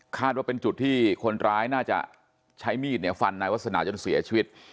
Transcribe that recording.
ว่าเป็นจุดที่คนร้ายน่าจะใช้มีดเนี่ยฟันนายวัฒนาจนเสียชีวิต